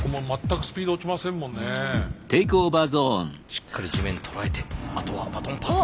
しっかり地面捉えてあとはバトンパス。